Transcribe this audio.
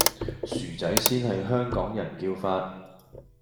薯仔先係香港人叫法